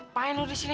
ngapain lu di sini